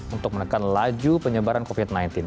untuk menekan laju penyebaran covid sembilan belas